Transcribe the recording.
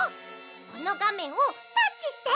このがめんをタッチして！